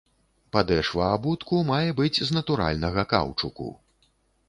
Падэшва абутку мае быць з натуральнага каўчуку.